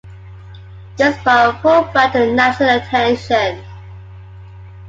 This brought Fulbright to national attention.